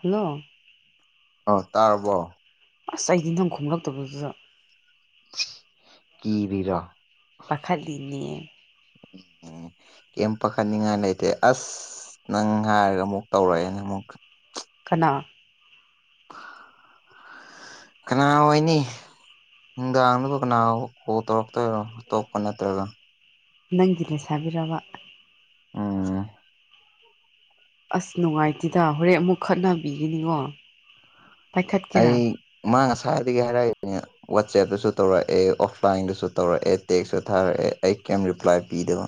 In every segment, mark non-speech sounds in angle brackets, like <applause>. hello ꯑꯣ ꯇꯥꯔꯕꯣ ꯑꯁ ꯑꯩꯗꯤ ꯅꯝ ꯈꯣꯝꯂꯛꯇꯕꯗꯨꯗ ꯀꯤꯔꯤꯔꯥ ꯃꯈꯈꯥꯗꯤꯅꯤ ꯎ ꯀꯩ ꯄꯥꯈꯠꯅꯤꯡꯉꯥꯏ ꯂꯩꯇꯦ ꯑꯁ ꯅꯪ ꯍꯥꯏꯔꯒ ꯑꯃꯨꯛ ꯇꯧꯔꯛꯑꯦ ꯅꯪ ꯑꯃꯨꯛ ꯀꯅꯥ <unintelligible> ꯀꯅꯥ ꯑꯣꯏꯅꯤ ꯅꯨꯡꯗꯥꯡꯗꯕꯨ ꯀꯅꯥ ꯀꯣꯜ ꯇꯧꯔꯛꯇꯣꯏꯔꯣ ꯑꯇꯣꯞꯄ ꯅꯠꯇ꯭ꯔꯒ ꯅꯪꯒꯤ ꯂꯩꯁꯥꯕꯤꯔꯕ ꯎꯝ ꯑꯁ ꯅꯨꯡꯉꯥꯏꯇꯦꯗ ꯍꯣꯔꯦꯟ ꯑꯃꯨꯛ ꯈꯠꯅꯕꯤꯒꯅꯤꯀꯣ ꯑꯩ ꯄꯥꯏꯈꯠꯀꯦꯔꯥ ꯃꯥꯥꯡ ꯉꯁꯥꯏꯗꯒꯤ ꯍꯥꯏꯔꯛꯏꯅꯦ ꯋꯥꯆꯦꯞꯇꯁꯨ ꯇꯧꯔꯛꯑꯦ ꯑꯣꯐꯂꯥꯏꯟꯗꯁꯨ ꯇꯧꯔꯛꯑꯦ ꯇꯦꯛꯁꯁꯨ ꯊꯥꯔꯛꯑꯦ ꯑꯩ ꯀꯩꯝ ꯔꯤꯄ꯭ꯂꯥꯏ ꯄꯤꯗꯕ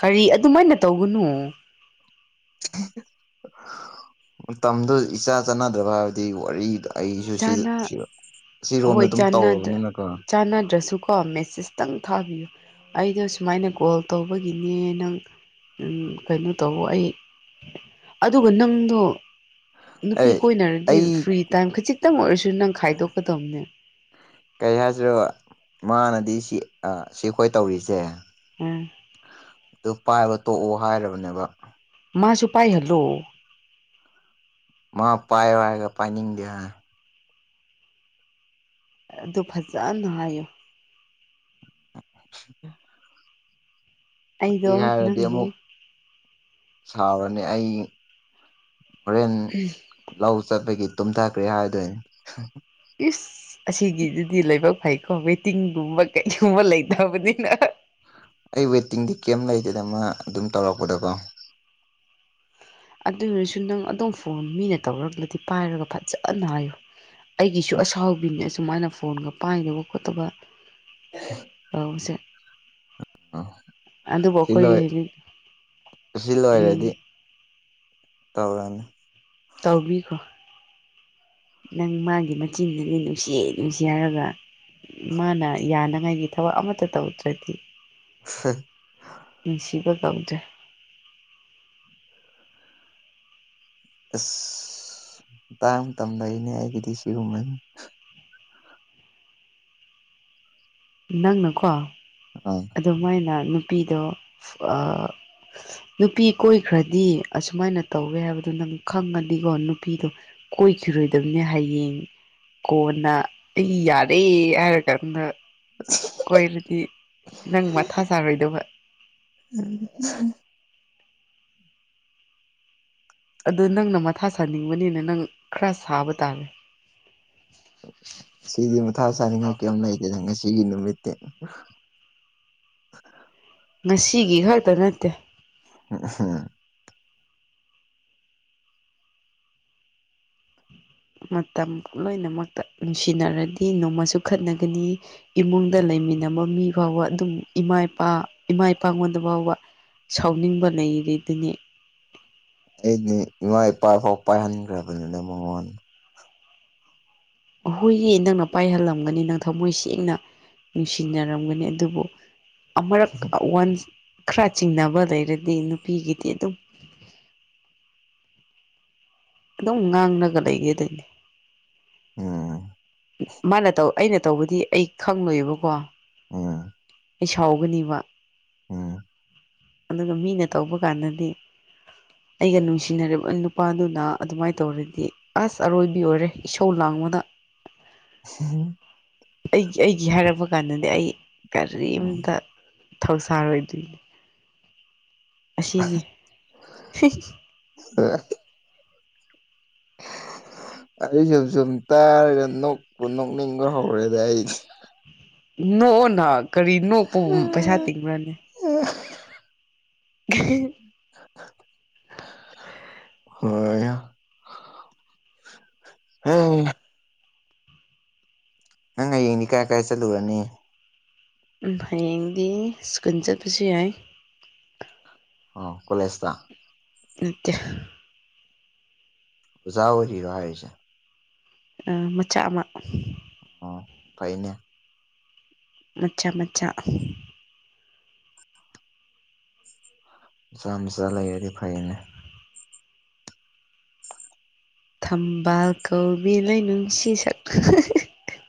ꯀꯔꯤ ꯑꯗꯨꯃꯥꯏꯅ ꯇꯧꯒꯅꯨ ꯃꯇꯝꯗꯨ ꯏꯆꯥ ꯆꯥꯟꯅꯗ꯭ꯔꯕ ꯍꯥꯏꯕꯗꯤ ꯋꯥꯔꯤꯗꯣ ꯑꯩꯁꯨ ꯁꯤ ꯆꯥꯅ ꯁꯤꯔꯣꯝꯗ ꯑꯗꯨꯝ ꯇꯧꯔꯕꯅꯤꯅꯀꯣ ꯆꯥꯟꯅꯗ꯭ꯔꯁꯨ ꯀꯣ ꯃꯦꯁꯦꯁꯇꯪ ꯊꯥꯕꯤꯌꯨ ꯑꯩꯗꯣ ꯁꯨꯃꯥꯏꯅ ꯀꯣꯜ ꯇꯧꯕꯒꯤꯅꯦ ꯅꯪ ꯎ ꯀꯩꯅꯣ ꯇꯧꯕ ꯑꯩ ꯑꯗꯨꯒ ꯅꯪꯗꯣ ꯅꯨꯄꯤ ꯑꯩ ꯀꯣꯏꯅꯔꯗꯤ ꯑꯩ ꯐ꯭ꯔꯤ ꯇꯥꯏꯝ ꯈꯖꯤꯛꯇꯪ ꯑꯣꯏꯔꯁꯨ ꯅꯪ ꯈꯥꯏꯗꯣꯛꯀꯗꯧꯅꯦ ꯀꯩ ꯍꯥꯏꯁꯤꯔꯣ ꯃꯥꯅꯗꯤ ꯁꯤ ꯁꯤꯈꯣꯏ ꯇꯧꯔꯤꯁꯦ ꯎꯝ ꯑꯗꯨ ꯄꯥꯏꯕ ꯇꯣꯛꯑꯣ ꯍꯥꯏꯔꯕꯅꯦꯕ ꯃꯥꯁꯨ ꯄꯥꯏꯍꯜꯂꯣ ꯃꯥ ꯄꯥꯏꯌꯦ ꯍꯥꯏꯔꯒ ꯄꯥꯏꯅꯤꯡꯗꯦ ꯍꯥꯏ ꯑꯗꯨ ꯐꯖꯅ ꯍꯥꯏꯌꯣ <unintelligible> ꯀꯩ ꯑꯩꯗꯣ ꯍꯥꯏꯔꯗꯤ ꯑꯃꯨꯛ ꯅꯪꯕꯨ ꯁꯥꯎꯔꯅꯤ ꯑꯩ ꯍꯣꯔꯦꯟ ꯂꯧ ꯆꯠꯄꯒꯤ ꯇꯨꯝꯊꯈ꯭ꯔꯦ ꯍꯥꯏꯗꯣꯏꯅꯤ ꯏꯁ ꯑꯁꯤꯒꯤꯗꯨꯗꯤ ꯂꯥꯏꯕꯛ ꯐꯩꯀꯣ ꯋꯦꯇꯤꯡꯒꯨꯝꯕ ꯀꯔꯤꯒꯨꯝꯕ ꯂꯩꯇꯕꯅꯤꯅ ꯑꯩ ꯋꯦꯇꯤꯡꯗꯤ ꯀꯩꯝ ꯂꯩꯇꯦꯗꯃ ꯃꯥꯅ ꯑꯗꯨꯝ ꯇꯧꯔꯛꯄꯗꯀꯣ ꯑꯗꯨ ꯑꯣꯏꯔꯁꯨ ꯅꯪ ꯑꯗꯨꯝ ꯐꯣꯟ ꯃꯤꯅ ꯇꯧꯔꯛꯔꯗꯤ ꯄꯥꯏꯔꯒ ꯐꯖꯅ ꯍꯥꯏꯌꯨ ꯑꯩꯒꯤꯁꯨ ꯑꯁꯥꯎꯕꯤꯅꯤ ꯑꯁꯨꯃꯥꯏꯅ ꯐꯣꯟꯒ ꯄꯥꯏꯗꯕ ꯈꯣꯠꯇꯕ <unintelligible> ꯑꯗꯨꯕꯨ ꯁꯤ ꯑꯩꯈꯣꯏꯒꯤ ꯂꯣꯏ ꯍꯧꯖꯤꯛ ꯁꯤ ꯎꯝ ꯂꯣꯏꯔꯗꯤ ꯇꯧꯔꯅꯤ ꯇꯧꯕꯤꯈꯔꯣ ꯅꯪ ꯃꯥꯒꯤ ꯃꯆꯤꯟꯗꯗꯤ ꯅꯨꯡꯁꯤꯌꯦ ꯅꯨꯡꯁꯤꯌꯦ ꯍꯥꯏꯔꯒ ꯃꯥꯅ ꯌꯥꯅꯉꯥꯏꯒꯤ ꯊꯕꯛ ꯑꯃꯇ ꯇꯧꯗ꯭ꯔꯗꯤ <unintelligible> ꯅꯨꯡꯁꯤꯕ ꯀꯧꯗ꯭ꯔꯦ ꯑꯁ ꯃꯇꯥꯡꯕ ꯃꯇꯝ ꯂꯩꯅꯦ ꯑꯩꯒꯤꯗꯤ ꯁꯤꯒꯨꯝꯕ ꯅꯪꯅꯀꯣ ꯑꯥ ꯑꯗꯨꯃꯥꯏꯅ ꯅꯨꯄꯤꯗꯣ <unintelligible> ꯅꯨꯄꯤ ꯀꯣꯏꯈ꯭ꯔꯗꯤ ꯑꯁꯨꯃꯥꯏꯅ ꯇꯧꯋꯦ ꯍꯥꯏꯕꯗꯣ ꯅꯪ ꯈꯪꯉꯗꯤꯀꯣ ꯅꯨꯄꯤꯗꯣ ꯀꯣꯏꯈꯤꯔꯣꯏꯗꯕꯅꯦ ꯍꯌꯦꯡ ꯀꯣꯟꯅ ꯑꯩ ꯌꯥꯔꯦ ꯍꯥꯏꯔꯀꯥꯟꯗ <unintelligible> ꯀꯣꯏꯔꯗꯤ ꯅꯪ ꯃꯊꯥ ꯁꯥꯔꯣꯏꯗꯕ ꯎꯝ ꯑꯗꯨ ꯅꯪꯅ ꯃꯊꯥ ꯁꯥꯅꯤꯡꯕꯅꯤꯅ ꯅꯪ ꯈꯔ ꯁꯥꯕ ꯇꯥꯕ ꯁꯤꯗꯤ ꯃꯊꯥ ꯁꯥꯅꯤꯡꯉꯥꯏ ꯀꯩꯝ ꯂꯩꯇꯦꯗ ꯉꯁꯤꯒꯤ ꯅꯨꯃꯤꯠꯇꯤ ꯉꯁꯤꯒꯤ ꯈꯛꯇ ꯅꯠꯇꯦ ꯍꯝ ꯃꯇꯝ ꯂꯣꯏꯅꯃꯛꯇ ꯅꯨꯡꯁꯤꯅꯔꯗꯤ ꯅꯣꯡꯃꯁꯨ ꯈꯠꯅꯒꯅꯤ ꯏꯃꯨꯡꯗ ꯂꯩꯃꯤꯟꯅꯕ ꯃꯤ ꯐꯥꯎꯕ ꯑꯗꯨꯝ ꯏꯃꯥ ꯏꯄꯥ ꯏꯃꯥ ꯏꯄꯥꯉꯣꯟꯗ ꯐꯥꯎꯕ ꯁꯥꯎꯅꯤꯡꯕ ꯂꯩꯔꯤꯗꯨꯅꯤ ꯑꯩꯗꯤ ꯏꯃꯥ ꯏꯄꯥꯐꯥꯎ ꯄꯥꯏꯍꯟꯈ꯭ꯔꯕꯅꯤꯅꯦ ꯃꯉꯣꯟꯗ ꯍꯣꯏꯌꯦ ꯅꯪꯅ ꯄꯥꯏꯍꯜꯂꯝꯒꯅꯤ ꯅꯪ ꯊꯃꯣꯏ ꯁꯦꯡꯅ ꯅꯨꯡꯁꯤꯅꯔꯝꯒꯅꯤ ꯑꯗꯨꯕꯨ ꯑꯃꯔꯛ ꯋꯥꯟ ꯈꯔ ꯆꯤꯡꯅꯕ ꯂꯩꯔꯗꯤ ꯅꯨꯄꯤꯒꯤꯗꯤ ꯑꯗꯨꯝ ꯑꯗꯨꯝ ꯉꯥꯡꯔꯒ ꯂꯩꯒꯗꯣꯏꯅꯦ ꯎꯝ ꯃꯥꯅ ꯇꯧꯕ ꯑꯩꯅ ꯇꯧꯕꯗꯤ ꯑꯩ ꯈꯪꯪꯂꯣꯏꯕꯀꯣ ꯎꯝ ꯑꯩ ꯁꯥꯎꯒꯅꯤꯕ ꯎꯝ ꯑꯗꯨꯒ ꯃꯤꯅ ꯇꯧꯕ ꯀꯥꯟꯗꯗꯤ ꯑꯩꯒ ꯅꯨꯡꯁꯤꯅꯔꯤꯕ ꯅꯨꯄꯥꯗꯨꯅ ꯑꯗꯨꯃꯥꯏꯅ ꯇꯧꯔꯗꯤ ꯑꯁ ꯑꯔꯣꯏꯕꯤ ꯑꯣꯏꯔꯦ ꯏꯁꯧ ꯂꯥꯡꯕꯗ ꯍꯝ ꯑꯩ ꯑꯩꯒꯤ ꯍꯥꯏꯔꯛꯄ ꯀꯥꯟꯗꯗꯤ ꯑꯩ ꯀꯔꯤꯝꯇ ꯊꯧꯁꯥꯔꯣꯏꯗꯣꯏꯅꯤ ꯑꯁꯤꯅꯤ ꯑꯩꯁꯨ ꯁꯨꯝ ꯇꯥꯔꯒ ꯅꯣꯛꯄꯨ ꯅꯣꯛꯅꯤꯡꯕ ꯍꯧꯔꯦꯗ ꯑꯩꯗꯤ ꯅꯣꯛꯑꯣꯅ ꯀꯔꯤ ꯅꯣꯛꯄꯕꯨ ꯄꯩꯁꯥ ꯇꯤꯡꯕꯔ꯭ ꯅꯦ ꯎꯝ ꯍꯤ ꯍꯣꯏ ꯍꯥꯏ ꯅꯪ ꯍꯌꯦꯡꯗꯤ ꯀꯥꯏ ꯀꯥꯏ ꯆꯠꯂꯨꯔꯅꯤ ꯍꯌꯦꯡꯗꯤ ꯁ꯭ꯀꯨꯜ ꯆꯠꯄꯁꯨ ꯌꯥꯏ ꯑꯣ ꯀꯣꯂꯦꯖꯇ ꯅꯠꯇꯦ ꯑꯣꯖꯥ ꯑꯣꯏꯔꯤꯔꯣ ꯍꯥꯏꯁꯦ ꯃꯆꯥ ꯑꯃ ꯑꯣ ꯐꯩꯅꯦ ꯃꯆꯥ ꯃꯆꯥ ꯃꯆꯥ ꯃꯆꯥꯥ ꯂꯩꯔꯗꯤ ꯐꯩꯅꯦ ꯊꯝꯕꯥꯜ ꯀꯧꯕꯤ ꯂꯩꯥꯅꯨꯡꯁꯤ ꯁꯛꯄ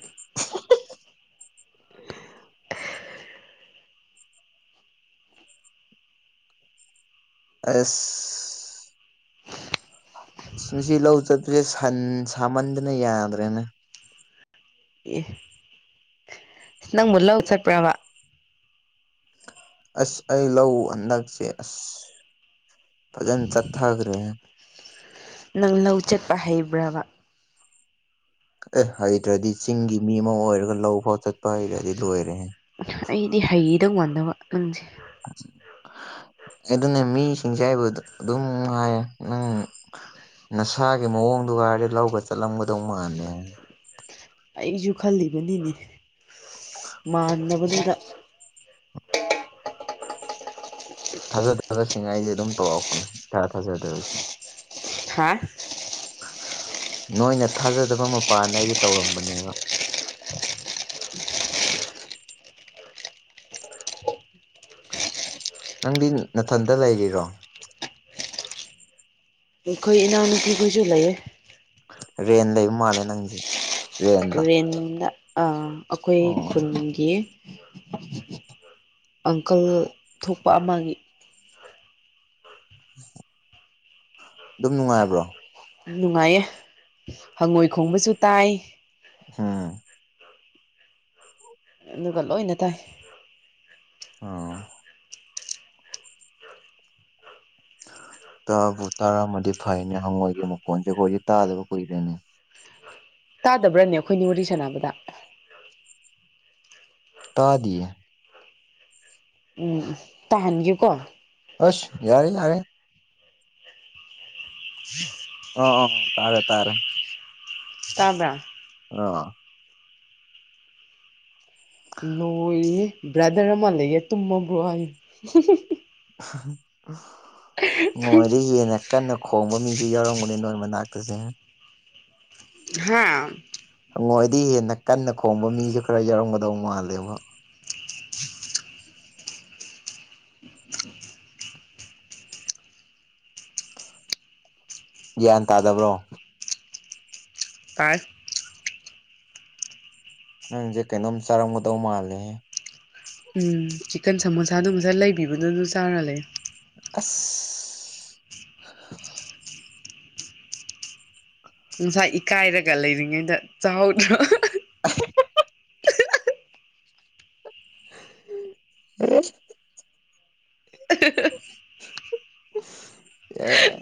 <inaudible> <inaudible> ꯑꯁ ꯉꯁꯤ ꯂꯧ ꯆꯠꯄꯁꯦ ꯁꯥꯃꯟꯗꯅ ꯌꯥꯗ꯭ꯔꯦꯅꯦ ꯑ ꯅꯪꯕꯨ ꯂꯧ ꯆꯠ꯭ꯄꯔꯕ ꯑꯁ ꯑꯩ ꯂꯧ ꯍꯟꯗꯛꯁꯦ ꯑꯁ ꯐꯖꯅ ꯆꯠꯊꯈ꯭ꯔꯦꯅꯦ ꯅꯪ ꯂꯧ ꯆꯠꯄ ꯍꯩꯕ꯭ꯔꯕ ꯑꯦ ꯍꯩꯗ꯭ꯔꯗꯤ ꯆꯤꯡꯒꯤ ꯃꯤ ꯑꯃ ꯑꯣꯏꯔꯒ ꯂꯧ ꯐꯥꯎ ꯆꯠꯄ ꯍꯩꯗ꯭ꯔꯗꯤ ꯂꯣꯏꯔꯦꯍꯦ ꯑꯩꯗꯤ ꯍꯩꯗꯧ ꯃꯥꯟꯗꯕ ꯅꯪꯁꯦ ꯑꯗꯨꯅꯦ ꯃꯤꯁꯤꯡꯁꯦ ꯑꯩꯕꯨ ꯑꯗꯨꯝ ꯍꯥꯏꯌꯦ ꯅꯪ ꯅꯁꯥꯒꯤ ꯃꯑꯣꯡꯗꯨꯒ ꯍꯥꯏꯔꯗꯤ ꯂꯧꯒ ꯆꯠꯂꯝꯒꯗꯧ ꯃꯥꯟꯗꯦꯅ ꯑꯩꯁꯨ ꯈꯜꯂꯤꯕꯅꯤꯅꯦ ꯃꯥꯟꯗꯕꯗꯨꯗ ꯊꯥꯖ ꯊꯗꯁꯤꯡꯉ ꯑꯩꯁꯦ ꯑꯗꯨꯝ ꯇꯧꯔꯛꯄꯅꯦꯥ ꯊꯥꯖꯗꯕꯁꯦ ꯍꯥꯥ ꯅꯣꯏꯅ ꯊꯥꯖꯗꯕ ꯃꯄꯥꯅ ꯑꯩꯗꯤ ꯇꯧꯔꯝꯕꯅꯦꯕ ꯅꯪꯗꯤ ꯅꯥꯊꯟꯗ ꯂꯩꯔꯤꯔꯣ ꯈꯣꯏ ꯏꯅꯥꯎꯅꯄꯤ ꯀꯨꯖꯨ ꯂꯩꯌꯦ ꯔꯦꯟ ꯂꯩ ꯃꯥꯜꯂꯦ ꯅꯪꯁꯦ ꯔꯦꯟꯔꯣ ꯇꯨꯔꯦꯟꯗ ꯑꯩꯈꯣꯏ ꯑꯣ ꯈꯨꯟꯒꯤ ꯑꯪꯀꯜ ꯊꯣꯛꯄ ꯑꯃꯒꯤ ꯑꯗꯨꯝ ꯅꯨꯡꯉꯥꯏꯕ꯭ꯔꯣ ꯅꯨꯡꯉꯥꯏꯌꯦ ꯍꯪꯉꯣꯏ ꯈꯣꯡꯕꯁꯨ ꯇꯥꯏ ꯎꯝ ꯑꯗꯨꯒ ꯂꯣꯏꯅ ꯇꯥꯏ ꯑꯣ ꯇꯥꯕꯨ ꯇꯥꯔꯝꯃꯗꯤ ꯐꯩꯅꯦ ꯍꯪꯉꯣꯏꯒꯤ ꯃꯈꯣꯟꯁꯦ ꯑꯩꯈꯣꯏꯗꯤ ꯇꯥꯗꯕ ꯀꯨꯏꯔꯦꯅꯦ ꯇꯥꯗꯕ꯭ꯔꯅꯦ ꯑꯩꯈꯣꯏ ꯅꯤ ꯋꯥꯔꯤ ꯁꯥꯟꯅꯕꯗ ꯇꯥꯗꯌꯦ ꯎꯝ ꯎꯝ ꯇꯥꯍꯟꯒꯨꯀꯣ ꯑꯁ ꯌꯥꯔꯦ ꯌꯥꯔꯦ ꯎꯝ ꯑꯣ ꯑꯣ ꯇꯔꯦ ꯇꯥꯔꯦ ꯇꯥꯕ ꯑ ꯅꯣꯣꯏ ꯕ꯭ꯔꯗꯔ ꯃꯜꯒ ꯇꯨꯝꯃꯕ꯭ꯔꯣ ꯍꯥꯏ ꯃꯣꯏꯗꯤ ꯍꯅ ꯀꯟꯅ ꯈꯣꯡꯕ ꯃꯤꯁꯨ ꯌꯥꯎꯔꯝꯒꯅꯦ ꯅꯣꯏ ꯃꯅꯥꯛꯇꯁꯦ ꯍꯥꯥ ꯍꯪꯉꯣꯏꯗꯤ ꯍꯦꯟꯅ ꯀꯟꯅ ꯈꯣꯡꯕ ꯃꯤꯁꯨ ꯈꯔ ꯌꯥꯎꯔꯝꯒꯗꯧ ꯃꯥꯜꯂꯦꯕ <inaudible> ꯒ꯭ꯌꯥꯟ ꯇꯥꯗꯕ꯭ꯔꯣ ꯀꯥꯁ ꯅꯪꯁꯦ ꯀꯩꯅꯣꯝ ꯆꯥꯔꯝꯒꯗꯧ ꯃꯥꯜꯂꯦ ꯎꯝ ꯆꯤꯛꯀꯟ ꯁꯃꯣꯁꯥꯗꯨ ꯉꯁꯥ ꯂꯩꯕꯤꯕꯗꯨꯣ ꯑꯗꯨ ꯆꯥꯔ ꯂꯩ ꯑꯁ ꯅꯨꯡꯁꯥ ꯏꯀꯥꯏꯔꯒ ꯂꯩꯔꯤꯉꯩꯗ ꯆꯥꯎꯅ <inaudible> ꯎ ꯑ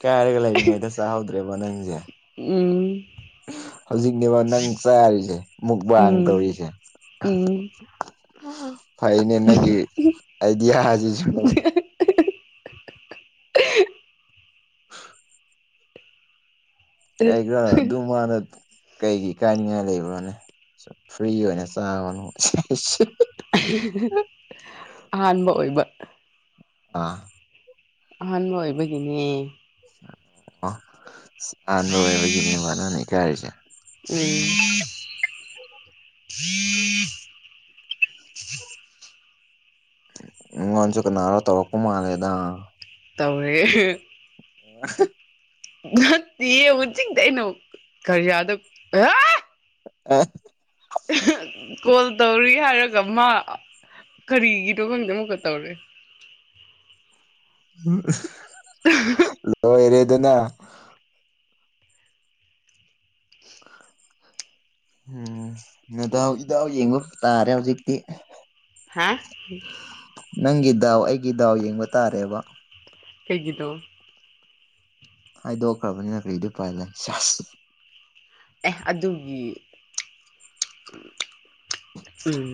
ꯀꯥꯏꯔꯒ ꯂꯩꯔꯤꯉꯩꯗ ꯆꯥꯍꯧꯗ꯭ꯔꯦꯕ ꯅꯪꯁꯦ ꯎꯝ ꯍꯧꯖꯤꯛꯅꯦꯕ ꯅꯪ ꯆꯥꯔꯤꯁꯦ ꯃꯨꯛꯕꯥꯥꯡ ꯎꯝ ꯇꯧꯔꯤꯁꯦ ꯎꯝ ꯐꯥꯏꯅꯦ ꯅꯪꯒꯤ ꯑꯗꯤꯌꯥ ꯍꯥꯏꯖꯤꯁꯨ <inaudible> ꯀ ꯈ꯭ꯔ ꯑꯗꯨ ꯃꯥꯅ ꯀꯩꯒꯤ ꯏꯀꯥꯏꯅꯤꯡꯉꯥꯏ ꯂꯩꯕ꯭ꯔꯣꯅꯦ ꯐ꯭ꯔꯤ ꯑꯣꯏꯅ ꯆꯥꯕꯅꯣ <inaudible> ꯑꯍꯥꯟꯕ ꯑꯣꯏꯕ ꯑꯥ ꯑꯍꯥꯟꯕ ꯑꯣꯏꯕꯒꯤꯅꯦ ꯑꯣ ꯑꯍꯥꯟꯕ ꯑꯣꯏꯕꯩꯅꯤꯅꯦ ꯃꯥꯅ ꯏꯀꯥꯏꯔꯤꯁꯦ <inaudible> ꯑꯩꯉꯣꯟꯁꯨ ꯀꯅꯥꯅꯣ ꯇꯧꯔꯛꯄ ꯃꯥꯜꯂꯦꯗ ꯇꯧꯔꯦ ꯑ ꯅꯠꯇꯦ ꯍꯧ ꯆꯤꯡꯗꯩꯅꯣ ꯀꯔꯤꯌꯥꯗ ꯑ ꯀꯣꯜ ꯇꯧꯔꯤ ꯍꯥꯏꯔꯒ ꯃꯥ ꯀꯔꯤꯒꯤꯅꯣ ꯈꯪꯗꯦ ꯑꯃꯨꯛꯀ ꯇꯧꯔꯛ ꯑꯦ ꯂꯣꯏꯔꯦꯗꯅ <inaudible> ꯎꯝ ꯅꯗꯥꯎ ꯏꯗꯥꯎ ꯌꯦꯡꯕ ꯇꯥꯔꯦ ꯍꯧꯖꯤꯛꯇꯤ ꯍꯥꯥ ꯅꯪꯒꯤ ꯗꯥꯎ ꯑꯩꯒꯤ ꯗꯥꯎ ꯌꯦꯡꯕ ꯇꯥꯔꯦꯕ ꯐꯩꯒꯤꯗꯣ ꯍꯥꯏꯗꯣꯛꯈ꯭ꯔꯕꯅꯤꯅ ꯀꯔꯤꯗꯨ ꯄꯥꯏꯂ ꯑꯦ ꯑꯗꯨꯒꯤ ꯎꯝ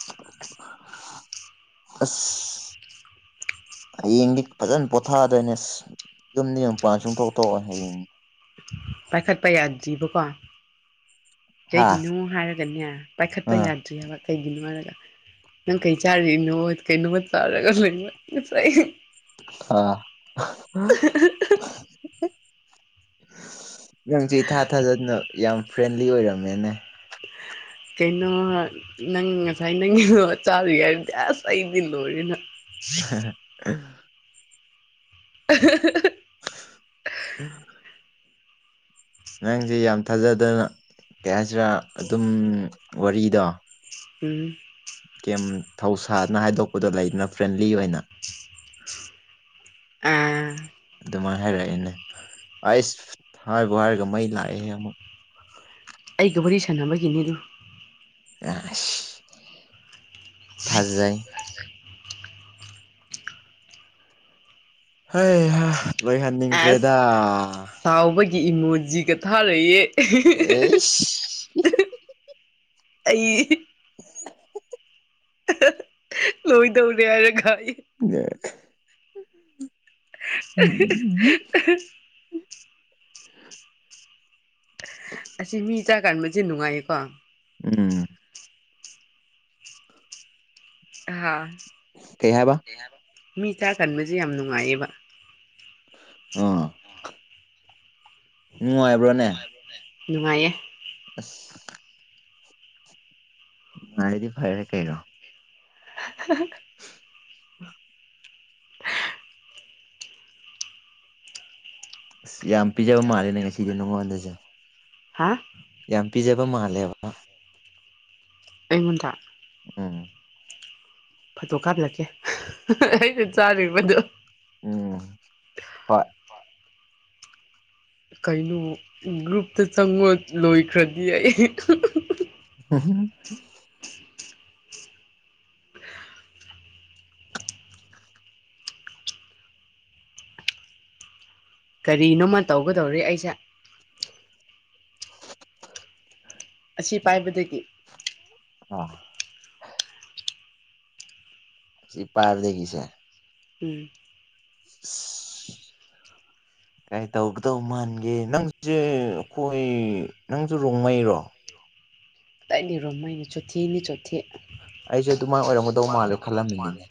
<inaudible> ꯑꯁ ꯍꯌꯦꯡꯗꯤ ꯐꯖꯅ ꯄꯣꯊꯥꯗꯣꯏꯅꯦ ꯑꯁ ꯌꯨꯝꯗꯩꯩ ꯃꯄꯥꯟ ꯁꯨꯛ ꯊꯣꯛ ꯊꯣꯛꯑꯣꯏ ꯍꯌꯦꯡꯗꯤ ꯄꯥꯏꯈꯠꯄ ꯌꯥꯗ꯭ꯔꯤꯕꯀꯣ ꯍꯥ ꯀꯩꯒꯤꯅꯣ ꯍꯥꯏꯔꯒꯅꯦ ꯄꯥꯏꯈꯠꯄ ꯑꯥ ꯌꯥꯗ꯭ꯔꯤ ꯍꯥꯏꯕ ꯀꯩꯒꯤꯅꯣ ꯍꯥꯏꯔꯒ ꯅꯪ ꯀꯩ ꯆꯥꯔꯤꯅꯣ ꯀꯩꯅꯣꯃ ꯆꯥꯔꯒ ꯂꯩꯕ <unintelligible> ꯑꯥ ꯅꯪꯁꯦ ꯏꯊꯥ ꯊꯥꯖꯗꯅ ꯌꯥꯝ ꯐ꯭ꯔꯦꯟꯂꯤ ꯑꯣꯏꯔꯝꯃꯦꯅꯦ ꯀꯩꯅꯣ ꯅꯪ ꯉꯁꯥꯏ ꯅꯪꯒꯤꯗꯣ ꯆꯥꯔꯤꯉꯩꯗꯗꯤ ꯑꯁ ꯑꯩꯗꯤ ꯂꯣꯏꯔꯦꯅ <inaudible> <inaudible> <inaudible> ꯅꯪꯁꯦ ꯌꯥꯝ ꯊꯥꯖꯗꯅ ꯀꯩ ꯍꯥꯏꯁꯤꯔꯥ ꯑꯗꯨꯝ ꯋꯥꯔꯤꯗꯣ ꯎꯝ ꯀꯌꯝ ꯊꯧꯁꯥꯗꯅ ꯍꯥꯏꯗꯣꯛꯄꯗꯣ ꯂꯩꯗꯅ ꯐ꯭ꯔꯦꯟꯂꯤ ꯑꯣꯏꯅ ꯑꯥ ꯑꯗꯨꯃꯥꯏꯅ ꯍꯥꯏꯔꯛꯑꯦꯅꯦ ꯑꯩꯁ ꯍꯥꯏꯚꯤ ꯍꯥꯏꯔꯒ ꯃꯩ ꯂꯥꯛꯑꯦꯍꯦ ꯑꯃꯨꯛ ꯑꯩꯒ ꯋꯥꯔꯤ ꯁꯥꯟꯅꯕꯒꯤꯅꯤ ꯑꯗꯨ ꯑꯁ ꯐꯖꯩ ꯍꯩꯍꯥ ꯂꯣꯏꯍꯟꯅꯤꯡꯈ꯭ꯔꯦꯗ ꯑꯁ ꯁꯥꯎꯕꯒꯤ ꯏꯃꯣꯖꯤꯒ ꯊꯥꯔꯛꯑꯦ ꯑꯩꯁ ꯑꯩ <inaudible> ꯂꯣꯏꯗꯧꯔꯦ ꯍꯥꯏꯔꯒꯥꯌꯦ <unintelligible> ꯑꯁꯤ ꯃꯤ ꯆꯥꯛ ꯍꯟꯕꯁꯦ ꯅꯨꯡꯉꯥꯏꯌꯦꯀꯣ ꯎꯝ ꯍꯥ ꯀꯩ ꯍꯥꯏꯕ ꯀꯩꯍꯥꯏꯕ ꯃꯤ ꯆꯥꯛꯍꯟꯕꯁꯦ ꯌꯥꯝ ꯅꯨꯡꯉꯥꯏꯌꯦꯕ ꯑꯥ ꯅꯨꯡꯉꯥꯏꯕ꯭ꯔꯣꯅꯦ ꯅꯨꯡꯉꯥꯏꯌꯦ ꯑꯁ ꯅꯨꯡꯉꯥꯏꯔꯗꯤ ꯐꯔꯦ ꯀꯩꯅꯣ <inaudible> ꯑꯁ ꯌꯥꯝ ꯄꯤꯖꯕ ꯃꯥꯜꯂꯦꯅꯦ ꯉꯁꯤꯗꯤ ꯅꯉꯣꯟꯗꯖꯦ ꯍꯥ ꯌꯥꯝ ꯄꯤꯖꯕ ꯃꯥꯜꯂꯦꯕ ꯑꯩꯉꯣꯟꯗ ꯎꯝ ꯐꯣꯇꯣ ꯀꯥꯞꯂꯛꯀꯦ ꯑꯩꯅ ꯆꯥꯨꯔꯤꯕꯗꯣ ꯎꯝ ꯍꯣꯏ ꯀꯩꯅꯣ ꯒ꯭ꯔꯨꯞꯇ ꯆꯪꯉꯣ ꯂꯣꯏꯈ꯭ꯔꯗꯤ ꯑꯩ <inaudible> ꯀꯔꯤꯅꯣꯃ ꯇꯧꯒꯗꯧꯔꯦ ꯑꯩꯁꯦ ꯑꯁꯤ ꯄꯥꯏꯕꯗꯒꯤ ꯑꯥ ꯁꯤ ꯄꯥꯕꯗꯒꯤꯁꯦ ꯎꯝ <unintelligible> <inaudible> ꯀꯩ ꯇꯧꯒꯗꯧ ꯃꯥꯟꯒꯦ ꯅꯪꯁꯦ ꯑꯩꯈꯣꯏ ꯅꯪꯁꯨ ꯔꯣꯡꯃꯩꯔꯣ ꯀꯗꯥꯏꯗꯩ ꯔꯣꯃꯩꯅꯣ ꯆꯣꯠꯊꯦ ꯅꯤ ꯆꯣꯠꯊꯦ ꯑꯩꯁꯨ ꯑꯗꯨꯃꯥꯏꯅ ꯑꯣꯏꯔꯝꯒꯗꯧ ꯃꯥꯜꯂꯦ ꯈꯜꯂꯝꯃꯤꯅꯤꯅꯦ